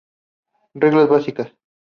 Reglas Básicas.